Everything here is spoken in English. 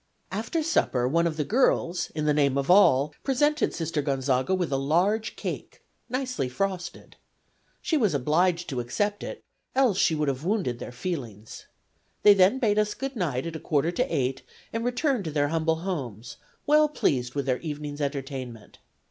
After supper one of the girls, in the name of all, presented Sister Gonzaga with a large cake, nicely frosted. She was obliged to accept it, else she would have wounded their feelings. They then bade us good night at a quarter to 8, and returned to their humble homes, well pleased with their evening's entertainment.